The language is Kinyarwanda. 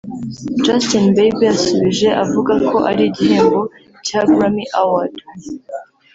Justin Bieber yasubije avuga ko ari igihembo cya Grammy Award